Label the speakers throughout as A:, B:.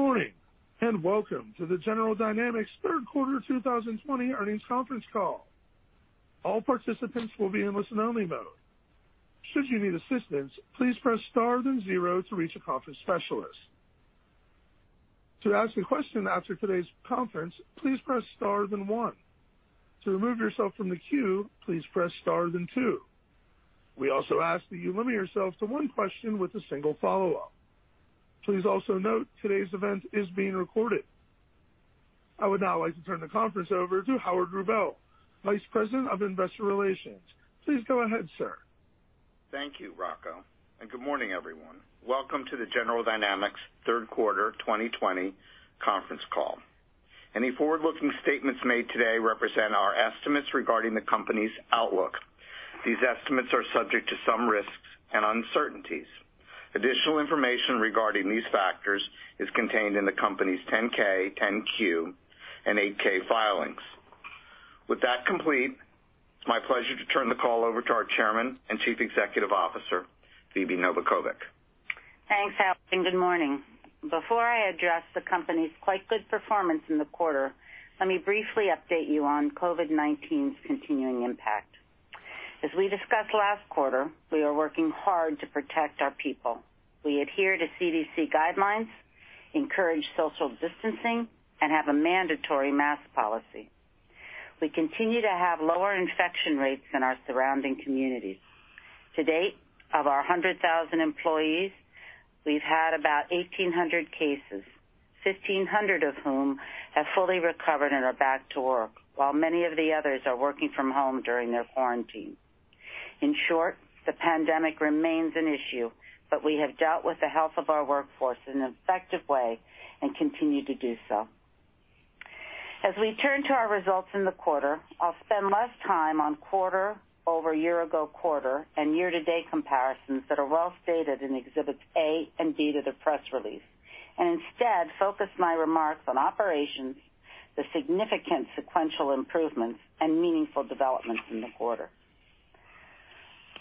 A: Good morning, and welcome to the General Dynamics third quarter 2020 earnings conference call. All participants will be in listen-only mode. Should you need assistance, please press star then zero to reach a conference specialist. To ask a question after today's conference, please press star then one. To remove yourself from the queue, please press star then two. We also ask that you limit yourself to one question with a single follow-up. Please also note today's event is being recorded. I would now like to turn the conference over to Howard Rubel, Vice President of Investor Relations. Please go ahead, sir.
B: Thank you, Rocco, and good morning, everyone. Welcome to the General Dynamics third quarter 2020 conference call. Any forward-looking statements made today represent our estimates regarding the company's outlook. These estimates are subject to some risks and uncertainties. Additional information regarding these factors is contained in the company's 10-K, 10-Q, and 8-K filings. With that complete, it's my pleasure to turn the call over to our Chairman and Chief Executive Officer, Phebe Novakovic.
C: Thanks, Howard, and good morning. Before I address the company's quite good performance in the quarter, let me briefly update you on COVID-19's continuing impact. As we discussed last quarter, we are working hard to protect our people. We adhere to CDC guidelines, encourage social distancing, and have a mandatory mask policy. We continue to have lower infection rates than our surrounding communities. To date, of our 100,000 employees, we've had about 1,800 cases, 1,500 of whom have fully recovered and are back to work, while many of the others are working from home during their quarantine. In short, the pandemic remains an issue, but we have dealt with the health of our workforce in an effective way and continue to do so. As we turn to our results in the quarter, I'll spend less time on quarter-over-year ago quarter and year-to-date comparisons that are well-stated in Exhibits A and B to the press release. Instead focus my remarks on operations, the significant sequential improvements, and meaningful developments in the quarter.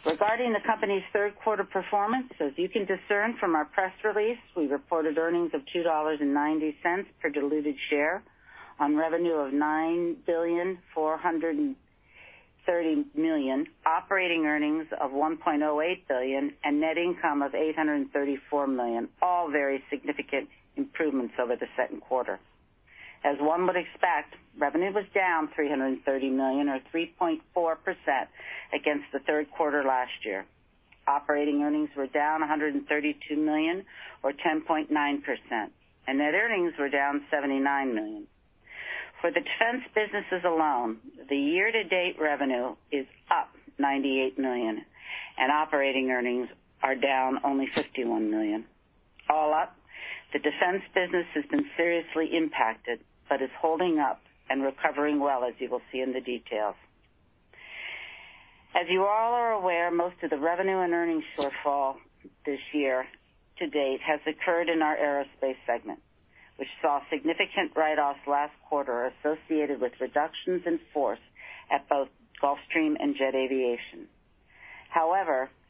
C: Regarding the company's third quarter performance, as you can discern from our press release, we reported earnings of $2.90 per diluted share on revenue of $9,430,000,000 operating earnings of $1.08 billion, and net income of $834 million, all very significant improvements over the second quarter. As one would expect, revenue was down $330 million or 3.4% against the third quarter last year. Operating earnings were down $132 million or 10.9%. Net earnings were down $79 million. For the defense businesses alone, the year-to-date revenue is up $98 million. Operating earnings are down only $51 million. All up, the defense business has been seriously impacted, but is holding up and recovering well as you will see in the details. As you all are aware, most of the revenue and earnings shortfall this year to date has occurred in our Aerospace segment, which saw significant write-offs last quarter associated with reductions in force at both Gulfstream and Jet Aviation.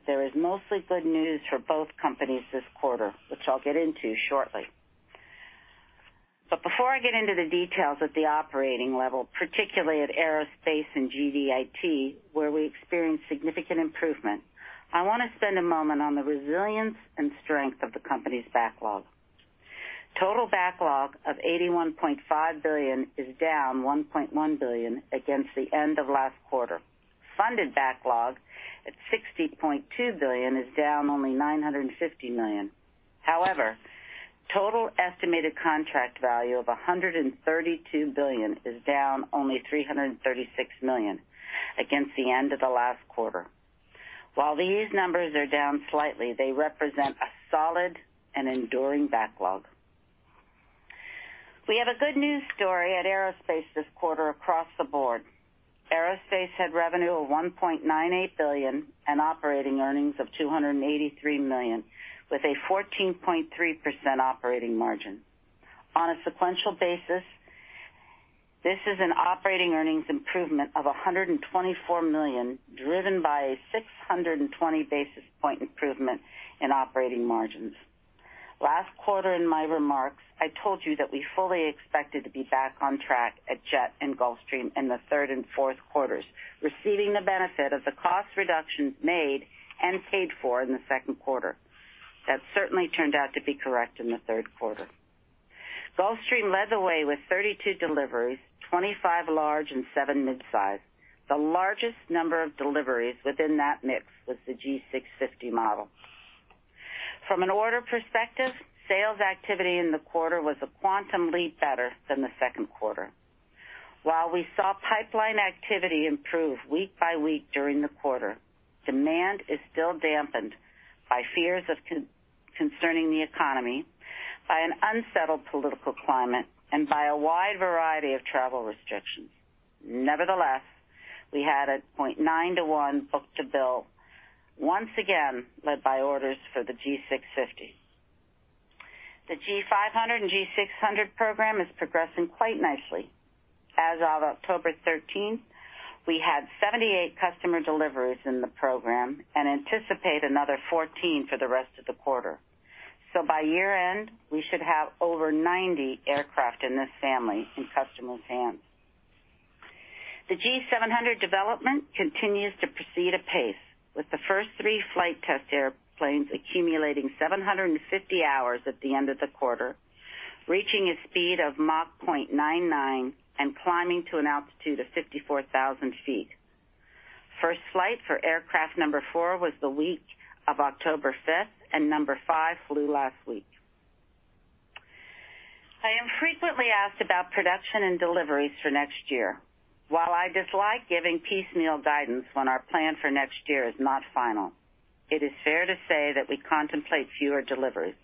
C: There is mostly good news for both companies this quarter, which I'll get into shortly. Before I get into the details at the operating level, particularly at Aerospace and GDIT, where we experienced significant improvement, I want to spend a moment on the resilience and strength of the company's backlog. Total backlog of $81.5 billion is down $1.1 billion against the end of last quarter. Funded backlog at $60.2 billion is down only $950 million. Total estimated contract value of $132 billion is down only $336 million against the end of the last quarter. These numbers are down slightly, they represent a solid and enduring backlog. We have a good news story at Aerospace this quarter across the board. Aerospace had revenue of $1.98 billion and operating earnings of $283 million with a 14.3% operating margin. On a sequential basis, this is an operating earnings improvement of $124 million, driven by a 620 basis point improvement in operating margins. Last quarter in my remarks, I told you that we fully expected to be back on track at Jet and Gulfstream in the third and fourth quarters, receiving the benefit of the cost reductions made and paid for in the second quarter. That certainly turned out to be correct in the third quarter. Gulfstream led the way with 32 deliveries, 25 large and 7 mid-size. The largest number of deliveries within that mix was the G650 model. From an order perspective, sales activity in the quarter was a quantum leap better than the second quarter. While we saw pipeline activity improve week by week during the quarter, demand is still dampened by fears concerning the economy, by an unsettled political climate, and by a wide variety of travel restrictions. Nevertheless, we had a 0.9 to 1 book-to-bill, once again, led by orders for the G650. The G500 and G600 program is progressing quite nicely. As of October 13, we had 78 customer deliveries in the program and anticipate another 14 for the rest of the quarter. By year-end, we should have over 90 aircraft in this family in customers' hands. The G700 development continues to proceed at pace, with the first three flight test airplanes accumulating 750 hours at the end of the quarter, reaching a speed of Mach 0.99 and climbing to an altitude of 54,000 ft. First flight for aircraft number four was the week of October 5th, and number five flew last week. I am frequently asked about production and deliveries for next year. While I dislike giving piecemeal guidance when our plan for next year is not final, it is fair to say that we contemplate fewer deliveries.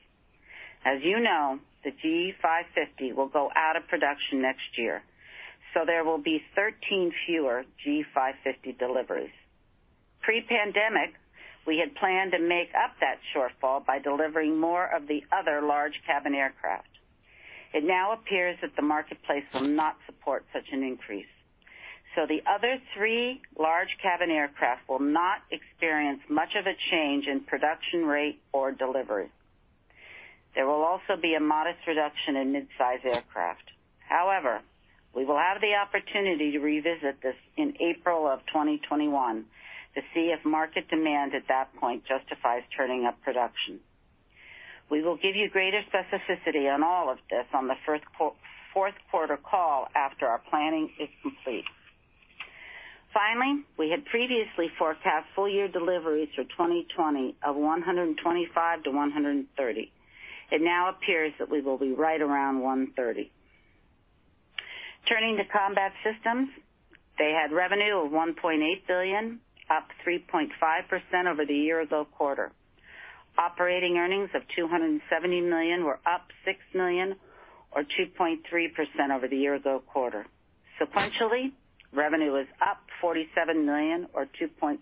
C: As you know, the G550 will go out of production next year, there will be 13 fewer G550 deliveries. Pre-pandemic, we had planned to make up that shortfall by delivering more of the other large cabin aircraft. It now appears that the marketplace will not support such an increase. The other three large cabin aircraft will not experience much of a change in production rate or deliveries. There will also be a modest reduction in midsize aircraft. However, we will have the opportunity to revisit this in April 2021 to see if market demand at that point justifies turning up production. We will give you greater specificity on all of this on the fourth quarter call after our planning is complete. Finally, we had previously forecast full year deliveries for 2020 of 125-130. It now appears that we will be right around 130. Turning to Combat Systems, they had revenue of $1.8 billion, up 3.5% over the year-ago quarter. Operating earnings of $270 million were up $6 million or 2.3% over the year-ago quarter. Revenue was up $47 million or 2.7%,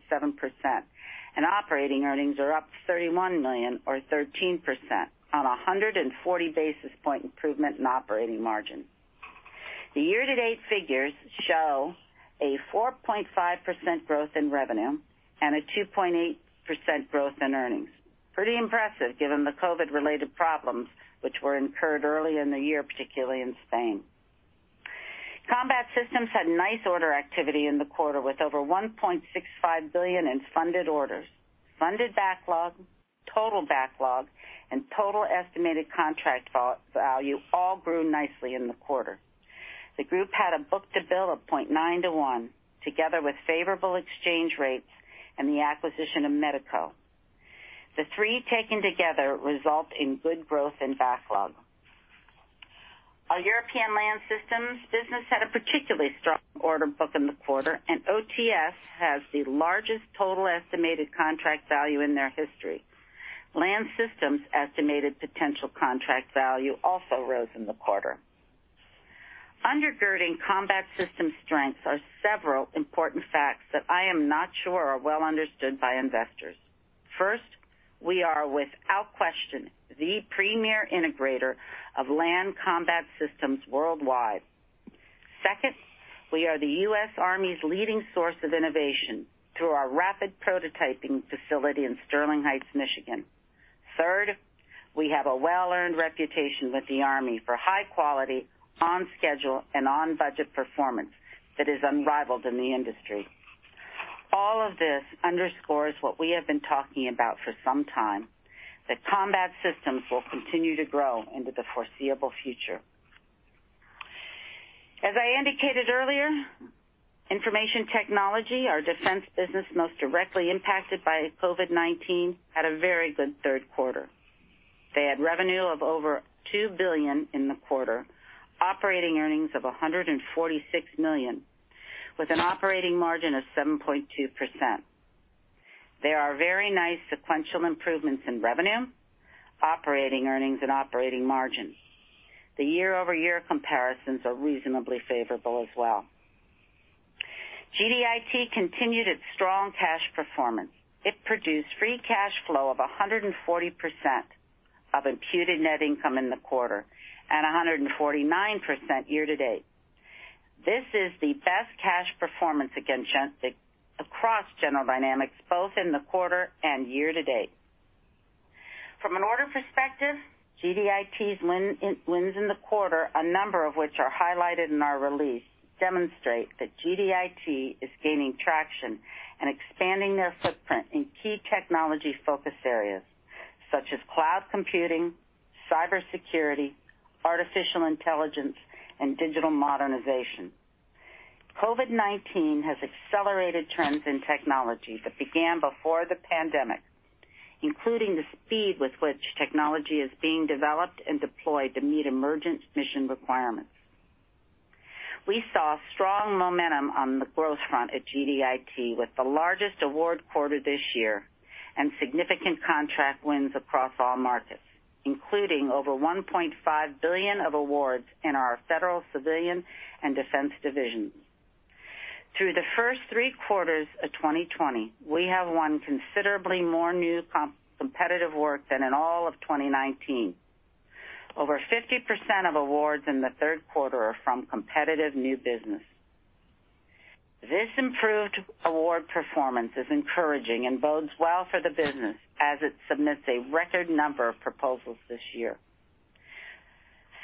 C: and operating earnings are up $31 million or 13% on 140 basis point improvement in operating margin. The year-to-date figures show a 4.5% growth in revenue and a 2.8% growth in earnings. Pretty impressive given the COVID related problems which were incurred early in the year, particularly in Spain. Combat Systems had nice order activity in the quarter, with over $1.65 billion in funded orders. Funded backlog, total backlog, and total estimated contract value all grew nicely in the quarter. The group had a book-to-bill of 0.9 to 1, together with favorable exchange rates and the acquisition of Medico. The three taken together result in good growth in backlog. Our European Land Systems business had a particularly strong order book in the quarter, and OTS has the largest total estimated contract value in their history. Land Systems' estimated potential contract value also rose in the quarter. Undergirding Combat Systems' strengths are several important facts that I am not sure are well understood by investors. First, we are, without question, the premier integrator of land combat systems worldwide. Second, we are the U.S. Army's leading source of innovation through our rapid prototyping facility in Sterling Heights, Michigan. Third, we have a well-earned reputation with the Army for high quality, on schedule, and on budget performance that is unrivaled in the industry. All of this underscores what we have been talking about for some time, that Combat Systems will continue to grow into the foreseeable future. As I indicated earlier, Information Technology, our defense business most directly impacted by COVID-19, had a very good third quarter. They had revenue of over $2 billion in the quarter, operating earnings of $146 million with an operating margin of 7.2%. They are very nice sequential improvements in revenue, operating earnings and operating margin. The year-over-year comparisons are reasonably favorable as well. GDIT continued its strong cash performance. It produced free cash flow of 140% of imputed net income in the quarter and 149% year to date. This is the best cash performance across General Dynamics, both in the quarter and year to date. From an order perspective, GDIT's wins in the quarter, a number of which are highlighted in our release, demonstrate that GDIT is gaining traction and expanding their footprint in key technology focus areas such as cloud computing, cybersecurity, artificial intelligence, and digital modernization. COVID-19 has accelerated trends in technology that began before the pandemic, including the speed with which technology is being developed and deployed to meet emergent mission requirements. We saw strong momentum on the growth front at GDIT with the largest award quarter this year and significant contract wins across all markets, including over $1.5 billion of awards in our federal, civilian, and defense divisions. Through the first three quarters of 2020, we have won considerably more new competitive work than in all of 2019. Over 50% of awards in the third quarter are from competitive new business. This improved award performance is encouraging and bodes well for the business as it submits a record number of proposals this year.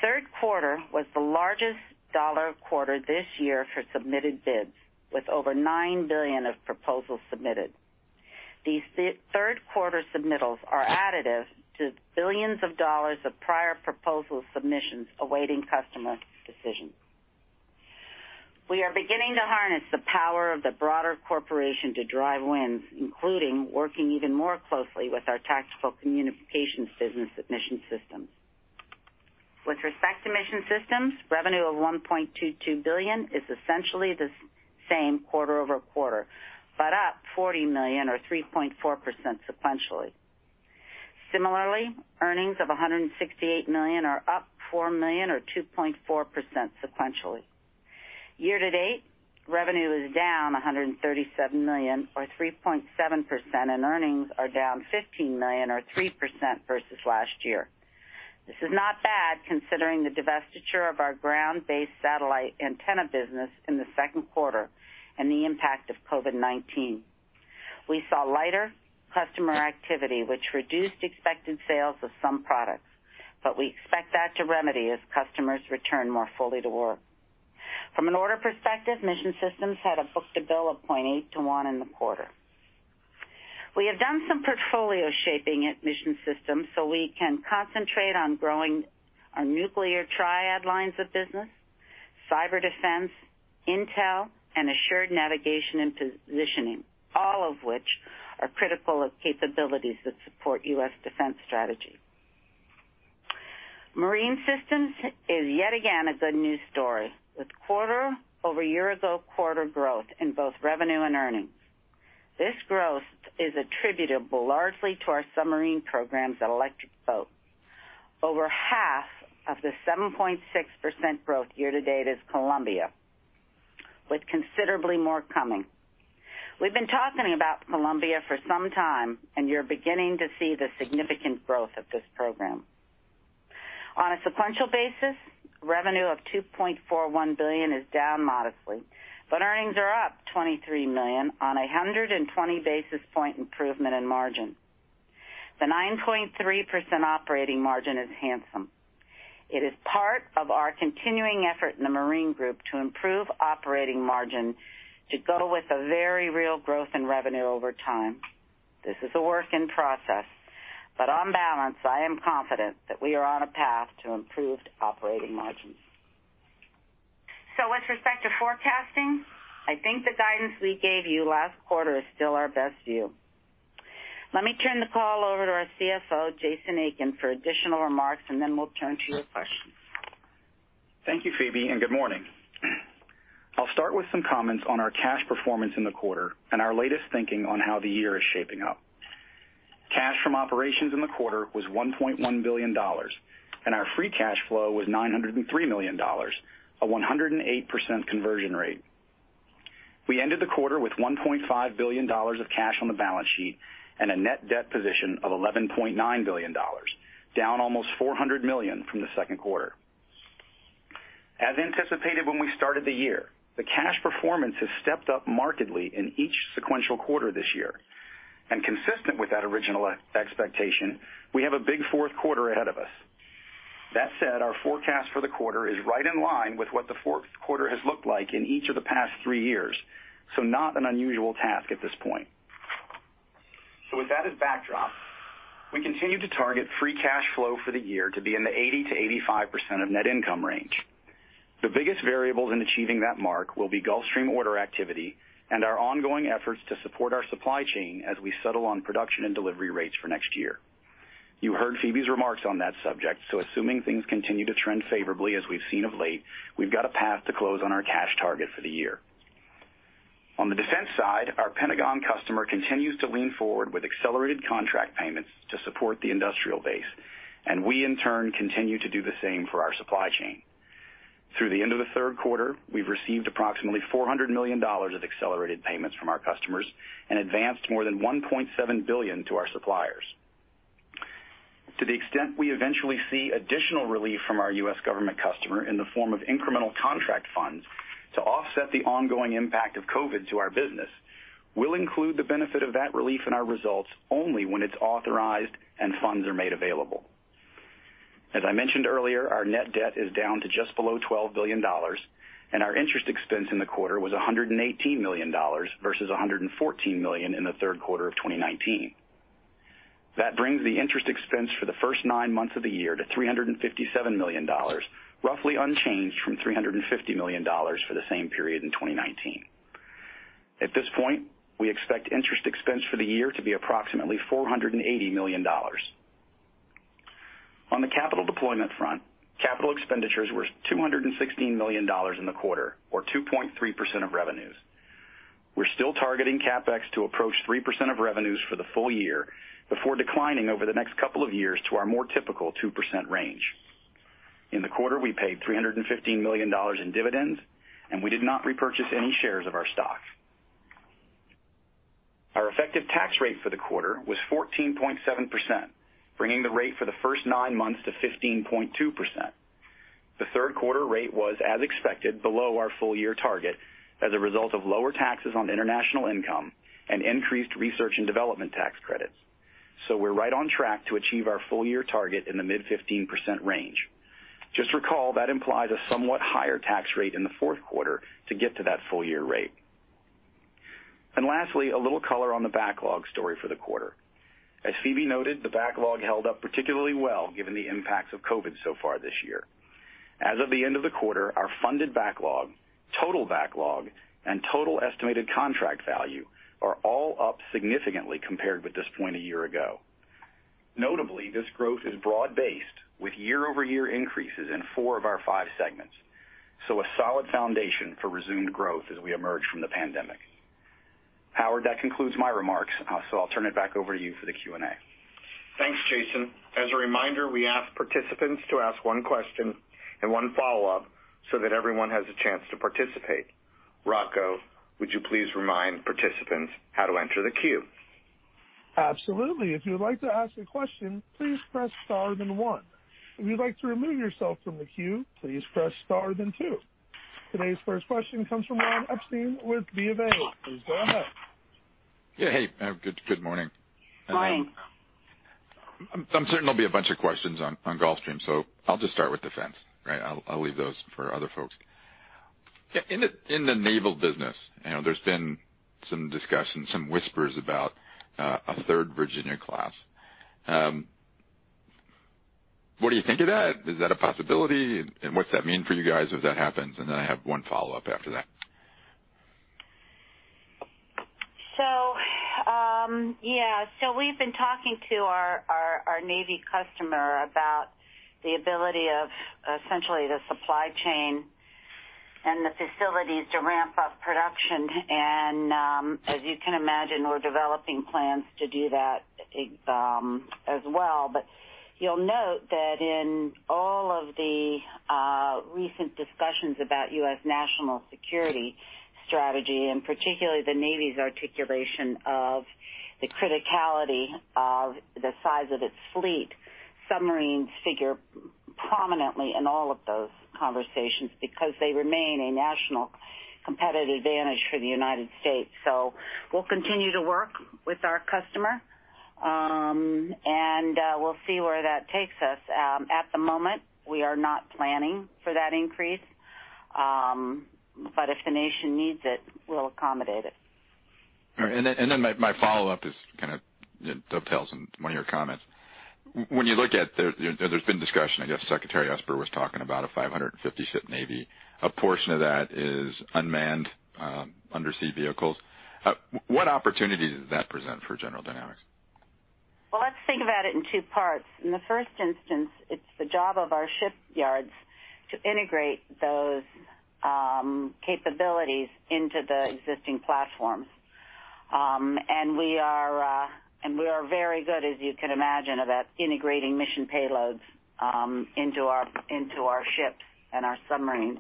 C: Third quarter was the largest dollar quarter this year for submitted bids, with over $9 billion of proposals submitted. These third-quarter submittals are additive to billions of dollars of prior proposal submissions awaiting customer decisions. We are beginning to harness the power of the broader corporation to drive wins, including working even more closely with our tactical communications business, Mission Systems. With respect to Mission Systems, revenue of $1.22 billion is essentially the same quarter-over-quarter, but up $40 million or 3.4% sequentially. Similarly, earnings of $168 million are up $4 million or 2.4% sequentially. Year-to-date, revenue is down $137 million or 3.7%, and earnings are down $15 million or 3.0% versus last year. This is not bad considering the divestiture of our ground-based satellite antenna business in the second quarter and the impact of COVID-19. We saw lighter customer activity, which reduced expected sales of some products, but we expect that to remedy as customers return more fully to work. From an order perspective, Mission Systems had a book-to-bill of 0.8 to 1 in the quarter. We have done some portfolio shaping at Mission Systems so we can concentrate on growing our nuclear triad lines of business, cyber defense, intel, and assured navigation and positioning, all of which are critical capabilities that support U.S. defense strategy. Marine Systems is yet again a good news story, with quarter-over-year ago quarter growth in both revenue and earnings. This growth is attributable largely to our submarine programs at Electric Boat. Over half of the 7.6% growth year-to-date is Columbia, with considerably more coming. We've been talking about Columbia for some time, and you're beginning to see the significant growth of this program. On a sequential basis, revenue of $2.41 billion is down modestly, but earnings are up $23 million on 120 basis point improvement in margin. The 9.3% operating margin is handsome. It is part of our continuing effort in the Marine Group to improve operating margin to go with a very real growth in revenue over time. This is a work in process, but on balance, I am confident that we are on a path to improved operating margins. With respect to forecasting, I think the guidance we gave you last quarter is still our best view. Let me turn the call over to our CFO, Jason Aiken, for additional remarks, and then we'll turn to your questions.
D: Thank you, Phebe, and good morning. I'll start with some comments on our cash performance in the quarter and our latest thinking on how the year is shaping up. Cash from operations in the quarter was $1.1 billion, and our free cash flow was $903 million, a 108% conversion rate. We ended the quarter with $1.5 billion of cash on the balance sheet and a net debt position of $11.9 billion, down almost $400 million from the second quarter. As anticipated when we started the year, the cash performance has stepped up markedly in each sequential quarter this year. Consistent with that original expectation, we have a big fourth quarter ahead of us. That said, our forecast for the quarter is right in line with what the fourth quarter has looked like in each of the past three years, so not an unusual task at this point. With that as backdrop, we continue to target free cash flow for the year to be in the 80%-85% of net income range. The biggest variables in achieving that mark will be Gulfstream order activity and our ongoing efforts to support our supply chain as we settle on production and delivery rates for next year. You heard Phebe's remarks on that subject, so assuming things continue to trend favorably as we've seen of late, we've got a path to close on our cash target for the year. On the defense side, our Pentagon customer continues to lean forward with accelerated contract payments to support the industrial base, and we, in turn, continue to do the same for our supply chain. Through the end of the third quarter, we've received approximately $400 million of accelerated payments from our customers and advanced more than $1.7 billion to our suppliers. To the extent we eventually see additional relief from our U.S. government customer in the form of incremental contract funds to offset the ongoing impact of COVID-19 to our business, we'll include the benefit of that relief in our results only when it's authorized and funds are made available. As I mentioned earlier, our net debt is down to just below $12 billion, and our interest expense in the quarter was $118 million versus $114 million in the third quarter of 2019. That brings the interest expense for the first nine months of the year to $357 million, roughly unchanged from $350 million for the same period in 2019. At this point, we expect interest expense for the year to be approximately $480 million. On the capital deployment front, capital expenditures were $216 million in the quarter or 2.3% of revenues. We're still targeting CapEx to approach 3% of revenues for the full year before declining over the next couple of years to our more typical 2% range. In the quarter, we paid $315 million in dividends, we did not repurchase any shares of our stock. Our effective tax rate for the quarter was 14.7%, bringing the rate for the first nine months to 15.2%. The third quarter rate was, as expected, below our full-year target as a result of lower taxes on international income and increased research and development tax credits. We're right on track to achieve our full-year target in the mid 15% range. Just recall, that implies a somewhat higher tax rate in the fourth quarter to get to that full-year rate. Lastly, a little color on the backlog story for the quarter. As Phebe noted, the backlog held up particularly well given the impacts of COVID-19 so far this year. As of the end of the quarter, our funded backlog, total backlog, and total estimated contract value are all up significantly compared with this point a year ago. Notably, this growth is broad-based, with year-over-year increases in four of our five segments. A solid foundation for resumed growth as we emerge from the pandemic. Howard, that concludes my remarks, so I'll turn it back over to you for the Q&A.
B: Thanks, Jason. As a reminder, we ask participants to ask one question and one follow-up so that everyone has a chance to participate. Rocco, would you please remind participants how to enter the queue?
A: Today's first question comes from Ron Epstein with BofA. Please go ahead.
E: Yeah, hey. Good morning.
C: Morning.
E: I'm certain there'll be a bunch of questions on Gulfstream, so I'll just start with defense. Right? I'll leave those for other folks. In the naval business, there's been some discussion, some whispers about a third Virginia class. What do you think of that? Is that a possibility? What's that mean for you guys if that happens? I have one follow-up after that.
C: We've been talking to our Navy customer about the ability of essentially the supply chain and the facilities to ramp up production. As you can imagine, we're developing plans to do that as well. You'll note that in all of the recent discussions about U.S. national security strategy, and particularly the Navy's articulation of the criticality of the size of its fleet, submarines figure prominently in all of those conversations, because they remain a national competitive advantage for the United States. We'll continue to work with our customer, and we'll see where that takes us. At the moment, we are not planning for that increase. If the nation needs it, we'll accommodate it.
E: All right. My follow-up just kind of dovetails on one of your comments. There's been discussion, I guess Secretary Esper was talking about a 550-ship Navy. A portion of that is unmanned undersea vehicles. What opportunity does that present for General Dynamics?
C: Well, let's think about it in two parts. In the first instance, it's the job of our shipyards to integrate those capabilities into the existing platforms. We are very good, as you can imagine, about integrating mission payloads into our ships and our submarines.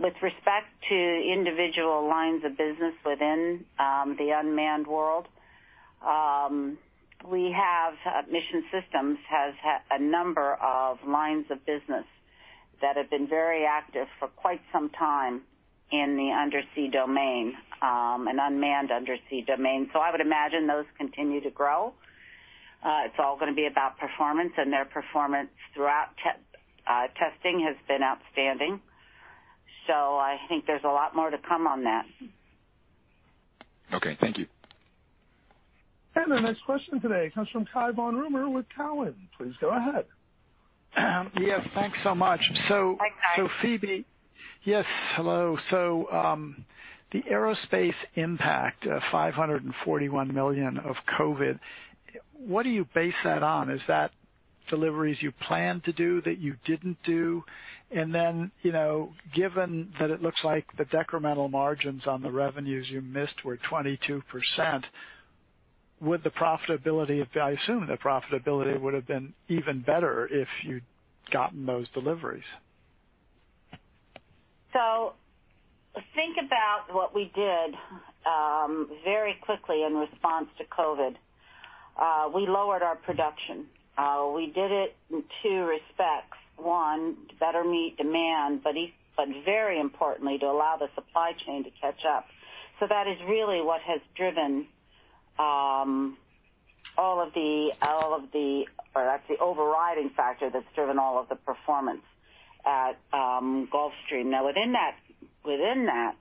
C: With respect to individual lines of business within the unmanned world, Mission Systems has a number of lines of business that have been very active for quite some time in the undersea domain, an unmanned undersea domain. I would imagine those continue to grow. It's all going to be about performance, and their performance throughout testing has been outstanding. I think there's a lot more to come on that.
E: Okay. Thank you.
A: The next question today comes from Cai von Rumohr with Cowen. Please go ahead.
F: Yeah. Thanks so much.
C: Hi, Cai.
F: Phebe, yes. Hello. The Aerospace impact, $541 million of COVID. What do you base that on? Is that deliveries you planned to do that you didn't do? Given that it looks like the decremental margins on the revenues you missed were 22%, I assume the profitability would've been even better if you'd gotten those deliveries.
C: Think about what we did very quickly in response to COVID. We lowered our production. We did it in two respects. One, to better meet demand, but very importantly, to allow the supply chain to catch up. That is really what has driven all of the overriding factors that's driven all of the performance at Gulfstream. Within that,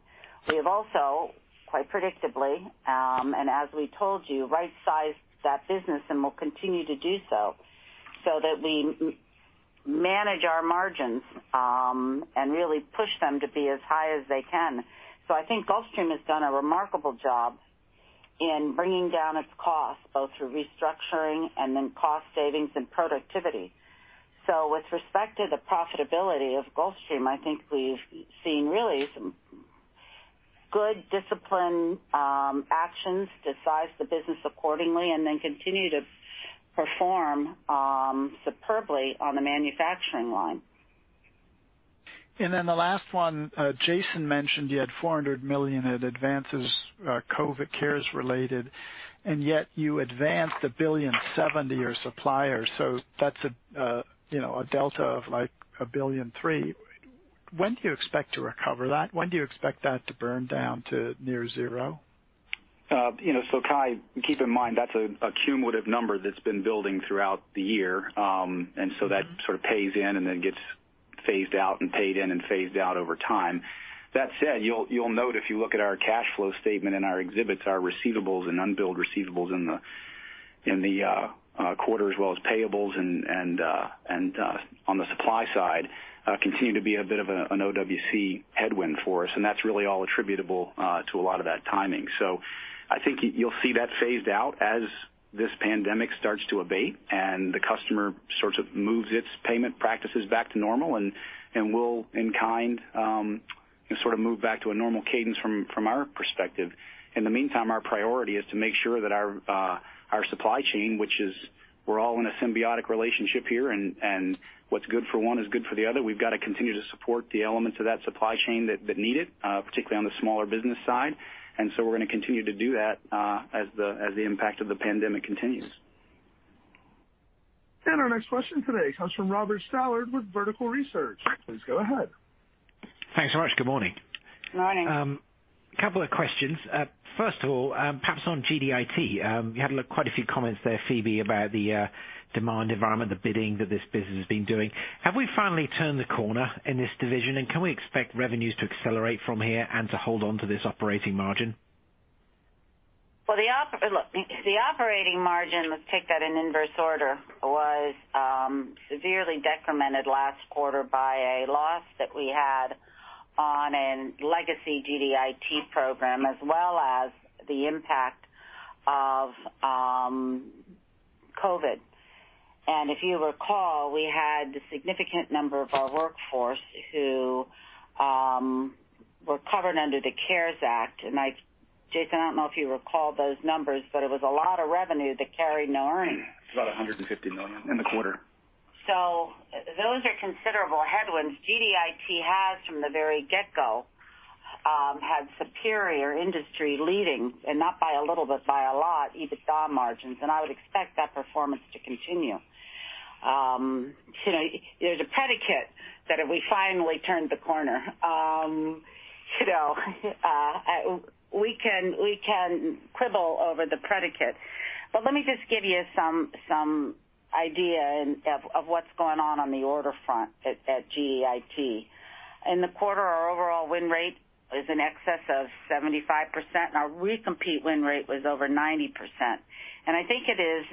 C: we have also, quite predictably, and as we told you, right-sized that business and will continue to do so that we manage our margins, and really push them to be as high as they can. I think Gulfstream has done a remarkable job in bringing down its cost, both through restructuring and then cost savings and productivity. With respect to the profitability of Gulfstream, I think we've seen really some good discipline actions to size the business accordingly and then continue to perform superbly on the manufacturing line.
F: The last one, Jason mentioned you had $400 million in advances, COVID CARES related, and yet you advanced $1.7 billion to your suppliers. That's a delta of like $1.3 billion. When do you expect to recover that? When do you expect that to burn down to near zero?
D: Cai, keep in mind, that's a cumulative number that's been building throughout the year. That sort of pays in and then gets phased out and paid in and phased out over time. That said, you'll note if you look at our cash flow statement and our exhibits, our receivables and unbilled receivables in the quarter, as well as payables and on the supply side, continue to be a bit of an OWC headwind for us. That's really all attributable to a lot of that timing. I think you'll see that phased out as this pandemic starts to abate and the customer sort of moves its payment practices back to normal and we'll in kind, sort of move back to a normal cadence from our perspective. In the meantime, our priority is to make sure that our supply chain, which is we're all in a symbiotic relationship here, and what's good for one is good for the other. We've got to continue to support the elements of that supply chain that need it, particularly on the smaller business side. We're going to continue to do that as the impact of the pandemic continues.
A: Our next question today comes from Robert Stallard with Vertical Research. Please go ahead.
G: Thanks so much. Good morning.
C: Good morning.
G: A couple of questions. First of all, perhaps on GDIT. You had quite a few comments there, Phebe, about the demand environment, the bidding that this business has been doing. Have we finally turned the corner in this division, and can we expect revenues to accelerate from here and to hold on to this operating margin?
C: Well, look, the operating margin, let's take that in inverse order, was severely decremented last quarter by a loss that we had on a legacy GDIT program, as well as the impact of COVID. If you recall, we had a significant number of our workforce who were covered under the CARES Act, and Jason, I don't know if you recall those numbers, but it was a lot of revenue that carried no earning.
D: It's about $150 million in the quarter.
C: Those are considerable headwinds. GDIT from the very get-go, had superior industry leading, and not by a little, but by a lot, EBITDA margins, and I would expect that performance to continue. There's a predicate that if we finally turned the corner. We can quibble over the predicate, but let me just give you some idea of what's going on on the order front at GDIT. In the quarter, our overall win rate is in excess of 75%, and our recompete win rate was over 90%. I think it is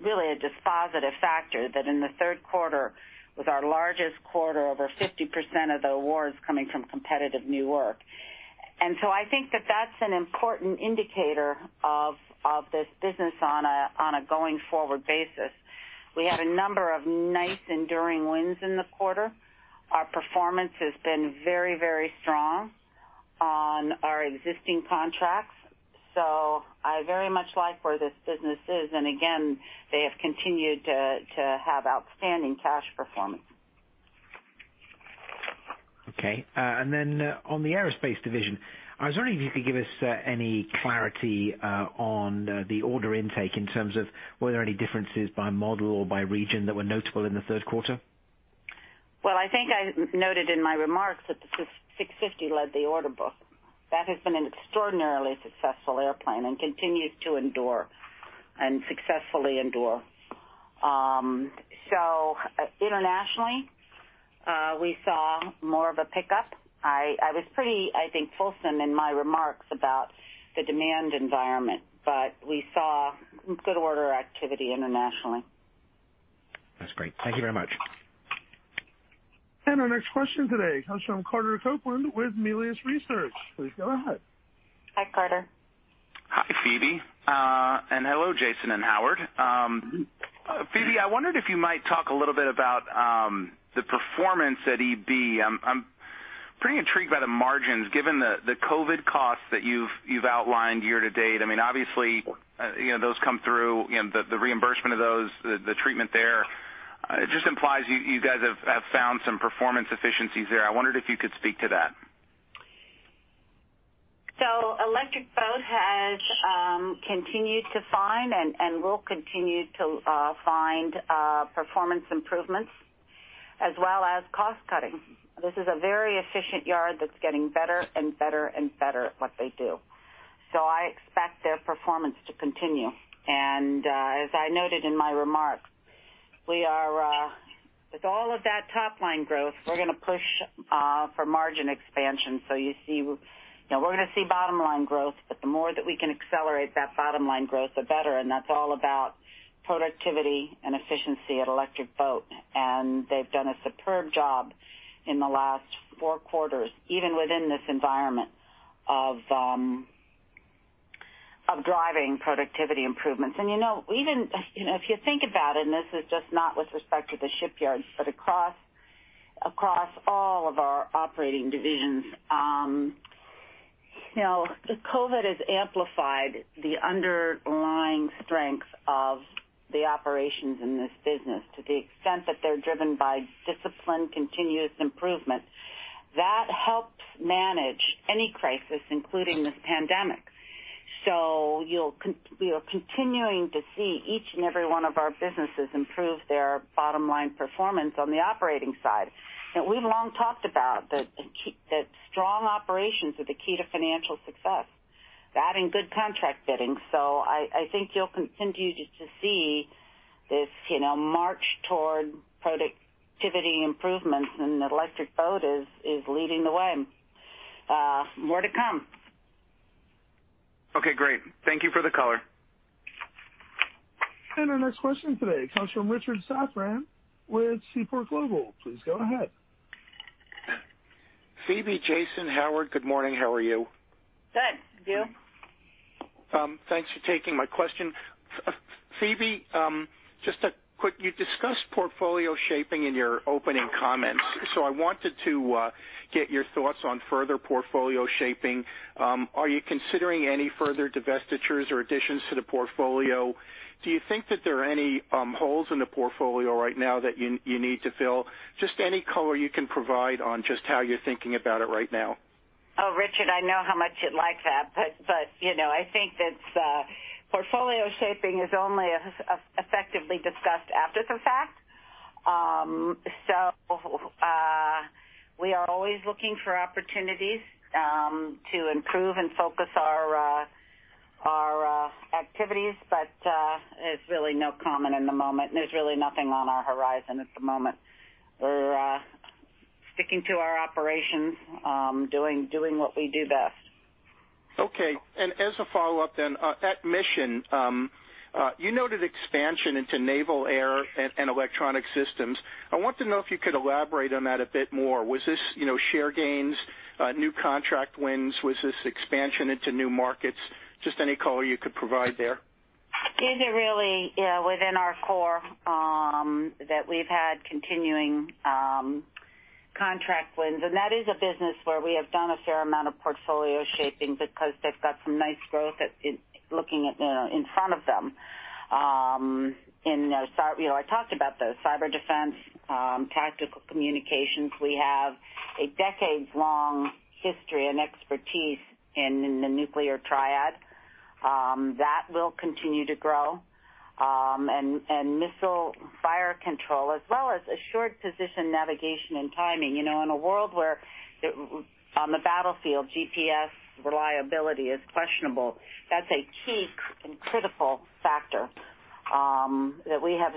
C: really a dispositive factor that in the third quarter, with our largest quarter, over 50% of the awards coming from competitive new work. I think that that's an important indicator of this business on a going-forward basis. We had a number of nice enduring wins in the quarter. Our performance has been very strong on our existing contracts, so I very much like where this business is, and again, they have continued to have outstanding cash performance.
G: Okay. On the Aerospace division, I was wondering if you could give us any clarity on the order intake in terms of were there any differences by model or by region that were notable in the third quarter?
C: I think I noted in my remarks that the G650 led the order book. That has been an extraordinarily successful airplane and continues to endure and successfully endure. Internationally, we saw more of a pickup. I was pretty, I think, fulsome in my remarks about the demand environment, but we saw good order activity internationally.
G: That's great. Thank you very much.
A: Our next question today comes from Carter Copeland with Melius Research. Please go ahead.
C: Hi, Carter.
H: Hi, Phebe. Hello, Jason and Howard. Phebe, I wondered if you might talk a little bit about the performance at EB. I'm pretty intrigued by the margins given the COVID costs that you've outlined year to date. Obviously, those come through, the reimbursement of those, the treatment there. It just implies you guys have found some performance efficiencies there. I wondered if you could speak to that.
C: Electric Boat has continued to find and will continue to find performance improvements as well as cost cutting. This is a very efficient yard that's getting better and better at what they do. I expect their performance to continue. As I noted in my remarks, with all of that top-line growth, we're going to push for margin expansion. We're going to see bottom-line growth, but the more that we can accelerate that bottom-line growth, the better, and that's all about productivity and efficiency at Electric Boat. They've done a superb job in the last four quarters, even within this environment of driving productivity improvements. If you think about it, and this is just not with respect to the shipyards, but across all of our operating divisions. COVID has amplified the underlying strengths of the operations in this business to the extent that they're driven by disciplined, continuous improvement. That helps manage any crisis, including this pandemic. You're continuing to see each and every one of our businesses improve their bottom-line performance on the operating side. We've long talked about that strong operations are the key to financial success, that and good contract bidding. I think you'll continue to see this march toward productivity improvements, and Electric Boat is leading the way. More to come.
H: Okay, great. Thank you for the color.
A: Our next question today comes from Richard Safran with Seaport Global. Please go ahead.
I: Phebe, Jason, Howard. Good morning. How are you?
C: Good. You?
I: Thanks for taking my question. Phebe, just a quick, you discussed portfolio shaping in your opening comments, I wanted to get your thoughts on further portfolio shaping. Are you considering any further divestitures or additions to the portfolio? Do you think that there are any holes in the portfolio right now that you need to fill? Just any color you can provide on just how you're thinking about it right now.
C: Oh, Richard, I know how much you'd like that. I think that portfolio shaping is only effectively discussed after the fact. We are always looking for opportunities to improve and focus our activities. It's really no comment at the moment, and there's really nothing on our horizon at the moment. We're sticking to our operations, doing what we do best.
I: Okay. As a follow-up, at Mission, you noted expansion into naval air and electronic systems. I want to know if you could elaborate on that a bit more. Was this share gains, new contract wins? Was this expansion into new markets? Just any color you could provide there.
C: These are really within our core that we've had continuing contract wins, and that is a business where we have done a fair amount of portfolio shaping because they've got some nice growth looking in front of them. I talked about the cyber defense, tactical communications. We have a decades-long history and expertise in the nuclear triad. That will continue to grow. Missile fire control, as well as assured position navigation and timing. In a world where, on the battlefield, GPS reliability is questionable, that's a key and critical factor that we have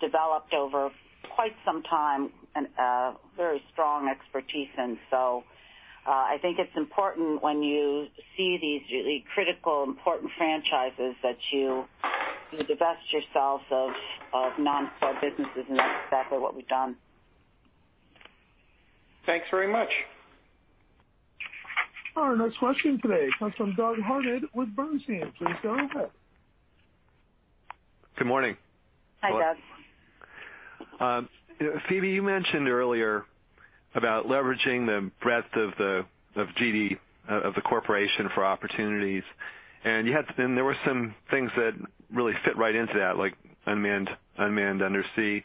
C: developed over quite some time and a very strong expertise in. I think it's important when you see these really critical, important franchises that you divest yourselves of non-core businesses, and that's exactly what we've done.
I: Thanks very much.
A: Our next question today comes from Doug Harned with Bernstein. Please go ahead.
J: Good morning.
C: Hi, Doug.
J: Phebe, you mentioned earlier about leveraging the breadth of GD, of the corporation for opportunities. There were some things that really fit right into that, like unmanned undersea.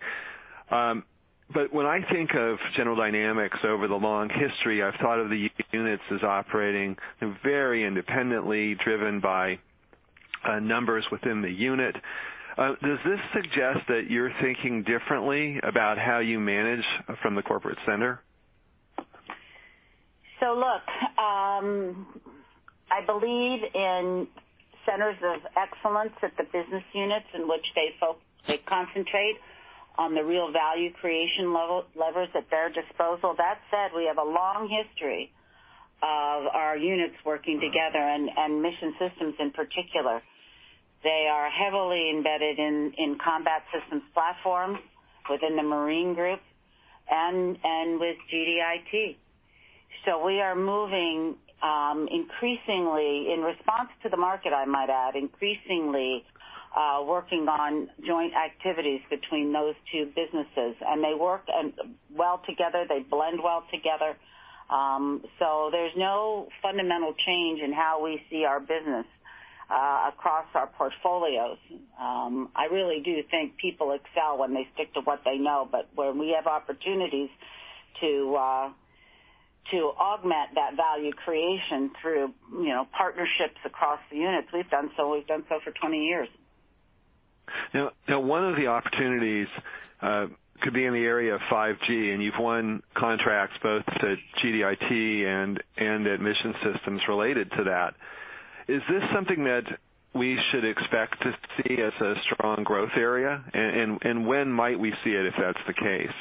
J: When I think of General Dynamics over the long history, I've thought of the units as operating very independently, driven by numbers within the unit. Does this suggest that you're thinking differently about how you manage from the corporate center?
C: Look, I believe in centers of excellence at the business units in which they concentrate on the real value creation levers at their disposal. That said, we have a long history of our units working together and Mission Systems in particular. They are heavily embedded in combat systems platforms within the Marine group and with GDIT. We are moving increasingly, in response to the market, I might add, working on joint activities between those two businesses, and they work well together. They blend well together. There's no fundamental change in how we see our business across our portfolios. I really do think people excel when they stick to what they know. When we have opportunities to augment that value creation through partnerships across the units, we've done so. We've done so for 20 years.
J: One of the opportunities could be in the area of 5G, and you've won contracts both to GDIT and at Mission Systems related to that. Is this something that we should expect to see as a strong growth area? When might we see it, if that's the case?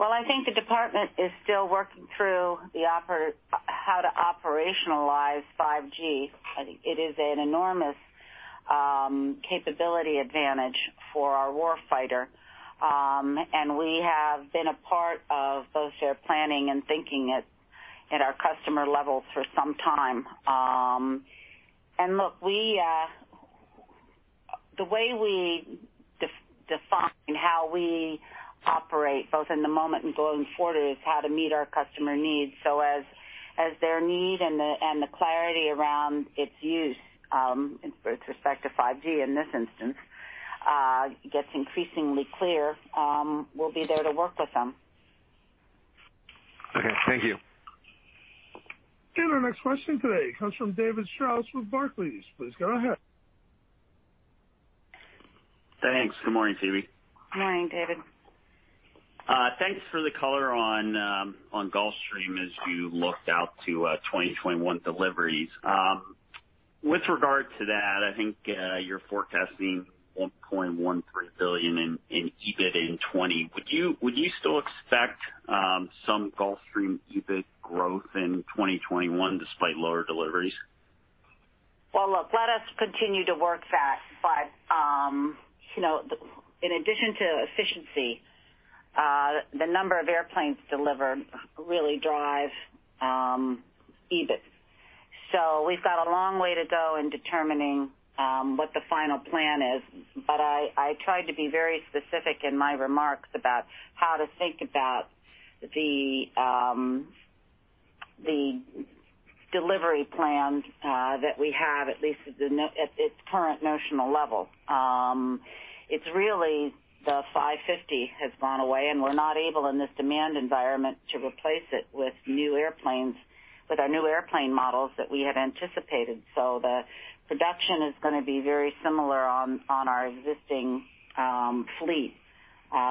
C: Well, I think the Department is still working through how to operationalize 5G. I think it is an enormous capability advantage for our war fighter. We have been a part of both their planning and thinking at our customer levels for some time. Look, the way we define how we operate, both in the moment and going forward, is how to meet our customer needs. As their need and the clarity around its use, with respect to 5G in this instance, gets increasingly clear, we'll be there to work with them.
J: Okay. Thank you.
A: Our next question today comes from David Strauss with Barclays. Please go ahead.
K: Thanks. Good morning, Phebe.
C: Good morning, David.
K: Thanks for the color on Gulfstream as you looked out to 2021 deliveries. With regard to that, I think you're forecasting $1.13 billion in EBIT in 2020. Would you still expect some Gulfstream EBIT growth in 2021 despite lower deliveries?
C: Look, let us continue to work that. In addition to efficiency, the number of airplanes delivered really drive EBIT. We've got a long way to go in determining what the final plan is. I tried to be very specific in my remarks about how to think about the delivery plans that we have, at least at its current notional level. It's really the G550 has gone away, and we're not able, in this demand environment, to replace it with our new airplane models that we had anticipated. The production is going to be very similar on our existing fleet,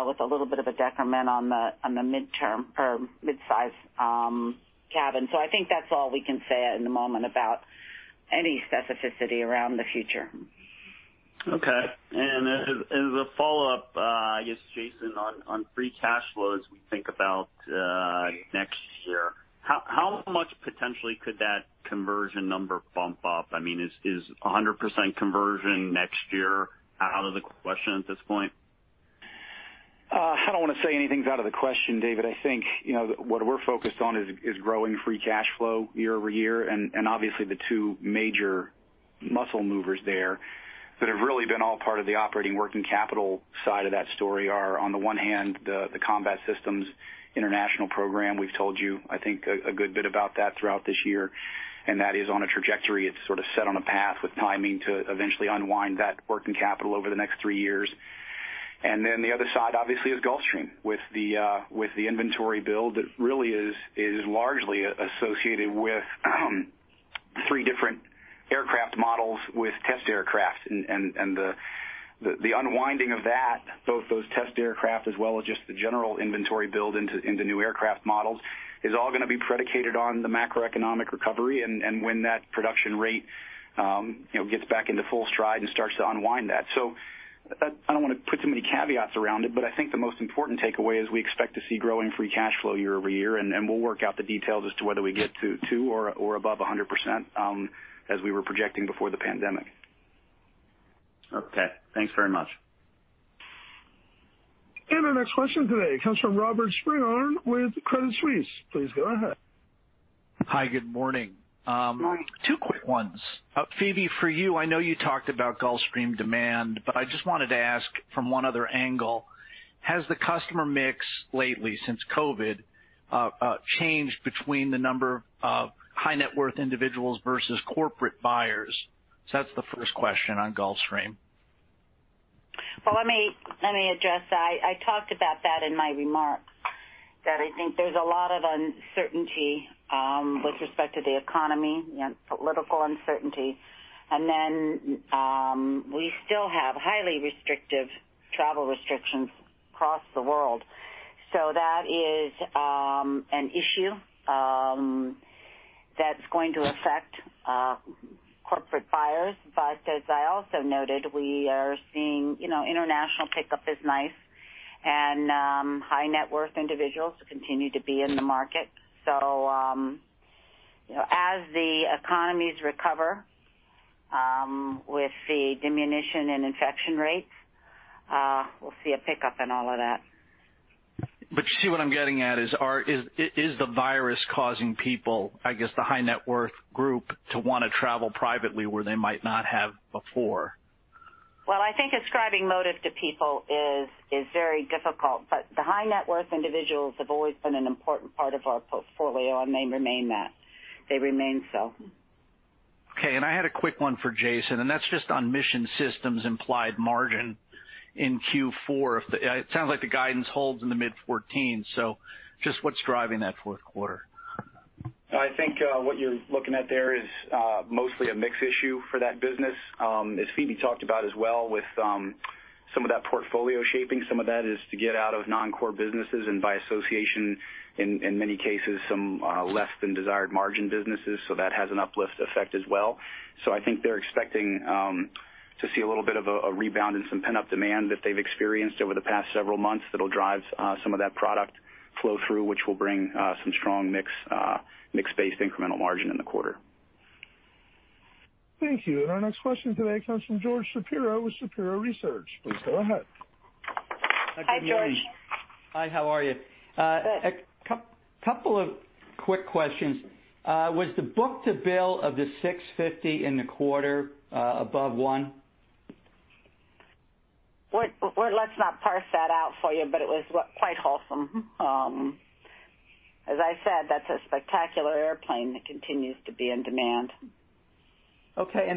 C: with a little bit of a decrement on the mid-size cabin. I think that's all we can say at the moment about any specificity around the future.
K: Okay. As a follow-up, I guess, Jason, on free cash flows, we think about next year. How much potentially could that conversion number bump up? I mean, is 100% conversion next year out of the question at this point?
D: I don't want to say anything's out of the question, David. I think, what we're focused on is growing free cash flow year-over-year. Obviously the two major muscle movers there that have really been all part of the operating working capital side of that story are, on the one hand, the Combat Systems international program. We've told you, I think, a good bit about that throughout this year, and that is on a trajectory. It's sort of set on a path with timing to eventually unwind that working capital over the next three years. The other side, obviously, is Gulfstream with the inventory build that really is largely associated with three different aircraft models with test aircraft. The unwinding of that, both those test aircraft as well as just the general inventory build into new aircraft models, is all going to be predicated on the macroeconomic recovery and when that production rate gets back into full stride and starts to unwind that. I don't want to put too many caveats around it, but I think the most important takeaway is we expect to see growing free cash flow year-over-year, and we'll work out the details as to whether we get to two or above 100% as we were projecting before the pandemic.
K: Okay. Thanks very much.
A: Our next question today comes from Robert Spingarn with Credit Suisse. Please go ahead.
L: Hi. Good morning.
C: Good morning.
L: Two quick ones. Phebe, for you, I know you talked about Gulfstream demand, I just wanted to ask from one other angle, has the customer mix lately, since COVID, changed between the number of high-net-worth individuals versus corporate buyers? That's the first question on Gulfstream.
C: Well, let me address that. I talked about that in my remarks, that I think there's a lot of uncertainty with respect to the economy and political uncertainty. We still have highly restrictive travel restrictions across the world. That is an issue that's going to affect corporate buyers. As I also noted, we are seeing international pickup is nice, and high-net-worth individuals continue to be in the market. As the economies recover with the diminution in infection rates, we'll see a pickup in all of that.
L: You see what I'm getting at is the virus causing people, I guess, the high-net-worth group, to want to travel privately where they might not have before?
C: I think ascribing motive to people is very difficult. The high-net-worth individuals have always been an important part of our portfolio and may remain that. They remain so.
L: Okay. I had a quick one for Jason, that's just on Mission Systems' implied margin in Q4. It sounds like the guidance holds in the mid-14s. Just what's driving that fourth quarter?
D: I think what you're looking at there is mostly a mix issue for that business. As Phebe talked about as well with some of that portfolio shaping, some of that is to get out of non-core businesses and by association, in many cases, some less than desired margin businesses. That has an uplift effect as well. I think they're expecting to see a little bit of a rebound in some pent-up demand that they've experienced over the past several months that'll drive some of that product flow through, which will bring some strong mix-based incremental margin in the quarter.
A: Thank you. Our next question today comes from George Shapiro with Shapiro Research. Please go ahead.
C: Hi, George.
M: Hi, how are you?
C: Good.
M: A couple of quick questions. Was the book-to-bill of the G650 in the quarter above 1?
C: Well, let's not parse that out for you, but it was quite wholesome. As I said, that's a spectacular airplane that continues to be in demand.
M: Okay,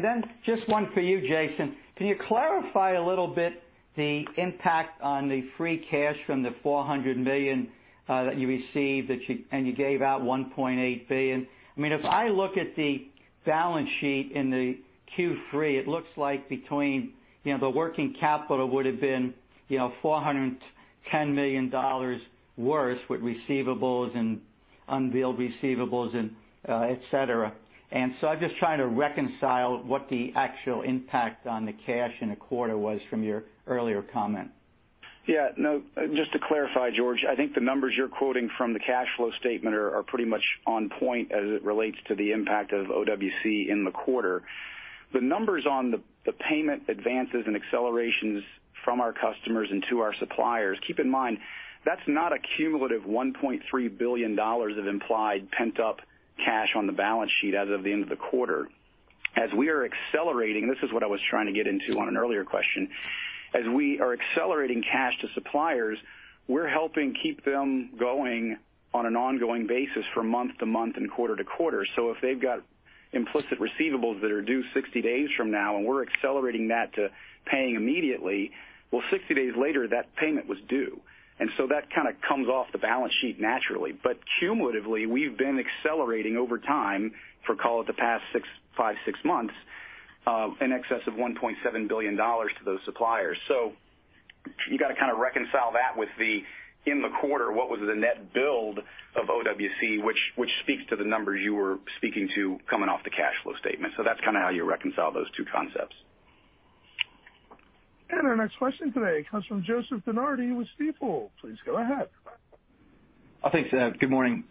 M: just one for you, Jason. Can you clarify a little bit the impact on the free cash from the $400 million that you received, and you gave out $1.8 billion? If I look at the balance sheet in the Q3, it looks like between the working capital would've been $410 million worse with receivables and unbilled receivables and et cetera. I'm just trying to reconcile what the actual impact on the cash in the quarter was from your earlier comment.
D: Just to clarify, George, I think the numbers you're quoting from the cash flow statement are pretty much on point as it relates to the impact of OWC in the quarter. The numbers on the payment advances and accelerations from our customers and to our suppliers, keep in mind, that's not a cumulative $1.3 billion of implied pent-up cash on the balance sheet as of the end of the quarter. We are accelerating, this is what I was trying to get into on an earlier question, as we are accelerating cash to suppliers, we're helping keep them going on an ongoing basis from month to month and quarter to quarter. If they've got implicit receivables that are due 60 days from now, and we're accelerating that to paying immediately, well, 60 days later, that payment was due. That kind of comes off the balance sheet naturally. Cumulatively, we've been accelerating over time for, call it the past five, six months, in excess of $1.7 billion to those suppliers. You got to kind of reconcile that with, in the quarter, what was the net build of OWC, which speaks to the numbers you were speaking to coming off the cash flow statement. That's kind of how you reconcile those two concepts.
A: Our next question today comes from Joseph DeNardi with Stifel. Please go ahead.
N: Thanks. Good morning.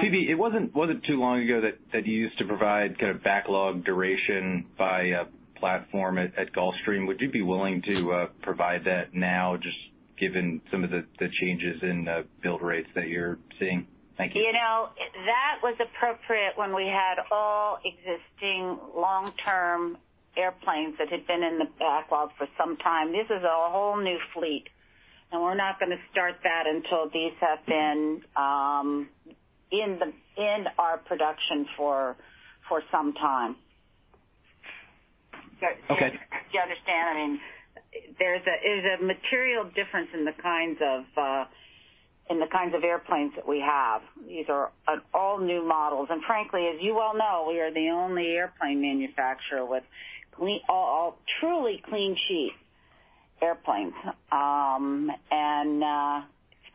N: Phebe, it wasn't too long ago that you used to provide kind of backlog duration by platform at Gulfstream. Would you be willing to provide that now, just given some of the changes in build rates that you're seeing? Thank you.
C: That was appropriate when we had all existing long-term airplanes that had been in the backlog for some time. This is a whole new fleet, and we're not going to start that until these have been in our production for some time.
N: Okay.
C: You understand? There's a material difference in the kinds of airplanes that we have. These are all new models. Frankly, as you well know, we are the only airplane manufacturer with all truly clean sheet airplanes. It's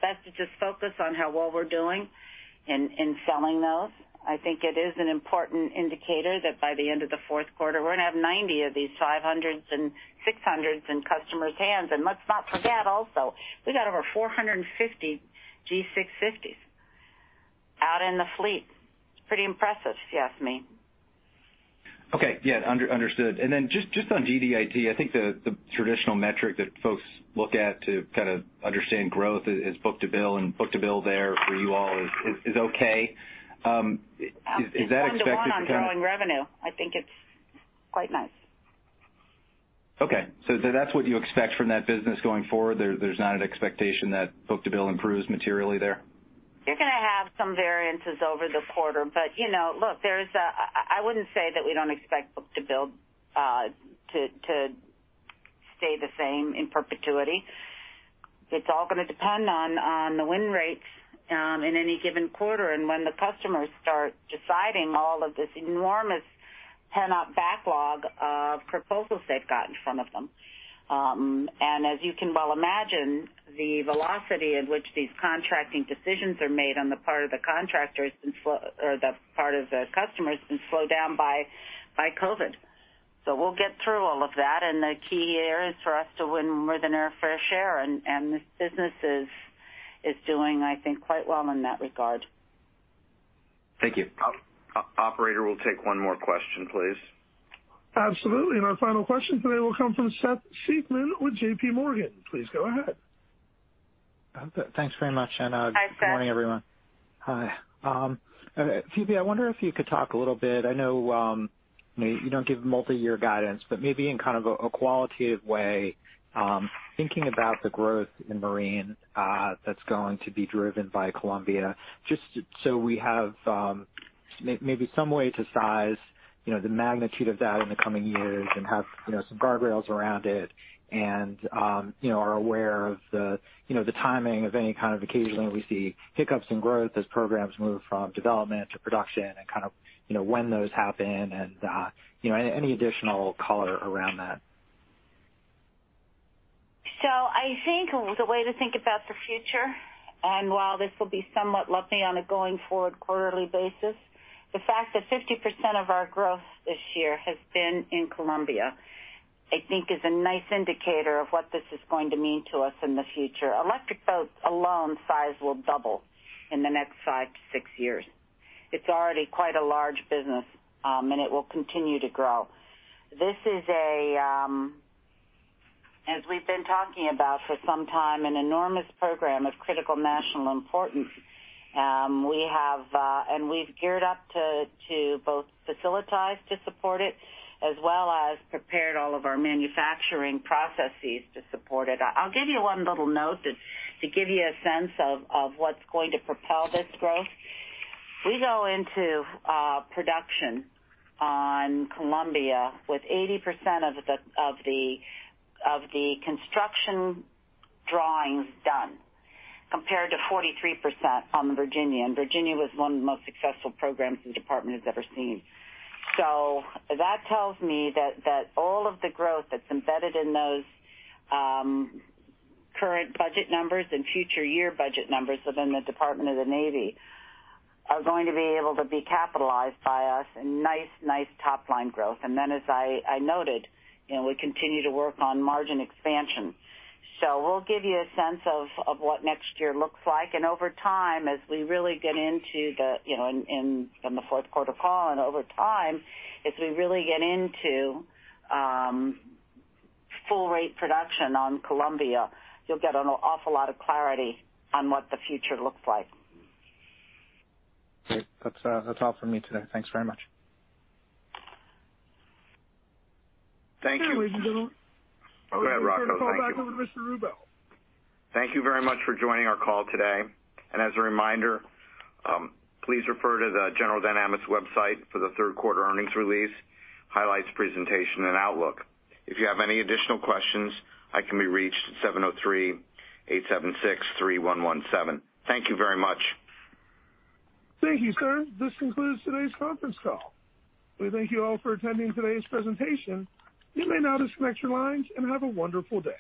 C: best to just focus on how well we're doing in selling those. I think it is an important indicator that by the end of the fourth quarter, we're going to have 90 of these G500s and G600s in customers' hands. Let's not forget also, we got over 450 G650s out in the fleet. It's pretty impressive if you ask me.
N: Okay. Yeah. Understood. Then just on GDIT, I think the traditional metric that folks look at to kind of understand growth is book-to-bill, and book-to-bill there for you all is okay. Is that expected to kind of?
C: It's 1 to 1 on growing revenue. I think it's quite nice.
N: Okay. That's what you expect from that business going forward. There's not an expectation that book-to-bill improves materially there?
C: You're going to have some variances over the quarter. Look, I wouldn't say that we don't expect book-to-bill to stay the same in perpetuity. It's all going to depend on the win rates in any given quarter, and when the customers start deciding all of this enormous pent-up backlog of proposals they've got in front of them. As you can well imagine, the velocity at which these contracting decisions are made on the part of the customers has been slowed down by COVID. We'll get through all of that, and the key there is for us to win more than our fair share, and this business is doing, I think, quite well in that regard.
N: Thank you.
B: Operator, we'll take one more question, please.
A: Absolutely. Our final question today will come from Seth Seifman with JPMorgan. Please go ahead.
O: Thanks very much, and good morning, everyone.
C: Hi, Seth.
O: Hi. Phebe, I wonder if you could talk a little bit, I know you don't give multi-year guidance, but maybe in kind of a qualitative way, thinking about the growth in Marine that's going to be driven by Columbia, just so we have maybe some way to size the magnitude of that in the coming years and have some guardrails around it and are aware of the timing of any kind of occasionally we see hiccups in growth as programs move from development to production and kind of when those happen and any additional color around that.
C: I think the way to think about the future, and while this will be somewhat lumpy on a going forward quarterly basis, the fact that 50% of our growth this year has been in Columbia, I think is a nice indicator of what this is going to mean to us in the future. Electric Boat alone size will double in the next five to six years. It's already quite a large business, and it will continue to grow. This is, as we've been talking about for some time, an enormous program of critical national importance. We have, and we've geared up to both facilitate to support it, as well as prepared all of our manufacturing processes to support it. I'll give you one little note to give you a sense of what's going to propel this growth. We go into production on Columbia with 80% of the construction drawings done, compared to 43% on the Virginia. Virginia was one of the most successful programs the Department has ever seen. That tells me that all of the growth that's embedded in those current budget numbers and future year budget numbers within the Department of the Navy are going to be able to be capitalized by us in nice top-line growth. Then, as I noted, we continue to work on margin expansion. We'll give you a sense of what next year looks like. Over time, as we really get into the fourth quarter call, over time, as we really get into full rate production on Columbia, you'll get an awful lot of clarity on what the future looks like.
O: Great. That's all from me today. Thanks very much.
B: Thank you.
A: Ladies and gentlemen.
B: Go ahead, Rocco. Thank you.
A: We can circle back over to Mr. Rubel.
B: Thank you very much for joining our call today. As a reminder, please refer to the General Dynamics website for the third quarter earnings release, highlights, presentation, and outlook. If you have any additional questions, I can be reached at 703-876-3117. Thank you very much.
A: Thank you, sir. This concludes today's conference call. We thank you all for attending today's presentation. You may now disconnect your lines and have a wonderful day.